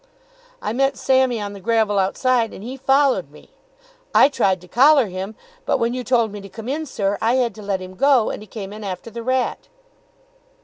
"I met Sammy on the gravel outside and he followed me." "I tried to collar him, but when you told me to come in, sir, I had to let him go, and he came in after the rat."